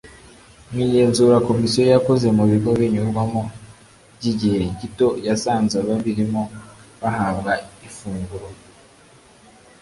mu igenzura komisiyo yakoze mu bigo binyurwamo by igihe gito yasanze ababirimo bahabwa ifunguro